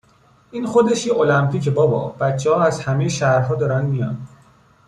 این خودش یه المپیکه بابا! بچهها از همهی شهرها دارن میان